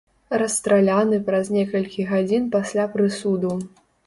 Расстраляны праз некалькі гадзін пасля прысуду.